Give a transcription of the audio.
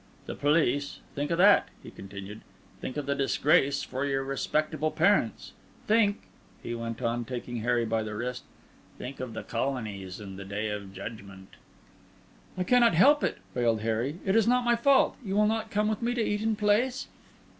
The police—think of that," he continued; "think of the disgrace for your respectable parents; think," he went on, taking Harry by the wrist; "think of the Colonies and the Day of Judgment." "I cannot help it," wailed Harry. "It is not my fault. You will not come with me to Eaton Place?"